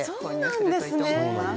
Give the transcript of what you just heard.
そうなんですね。